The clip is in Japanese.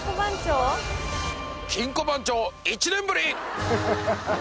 金庫番長１年ぶり！